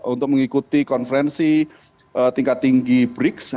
untuk mengikuti konferensi tingkat tinggi briks